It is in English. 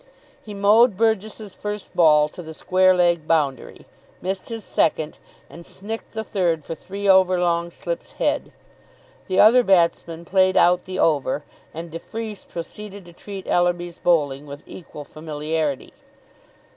He mowed Burgess's first ball to the square leg boundary, missed his second, and snicked the third for three over long slip's head. The other batsman played out the over, and de Freece proceeded to treat Ellerby's bowling with equal familiarity.